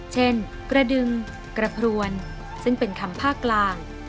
เช่นกระดึงกระพรวนซึ่งเป็นคำภาคกลาง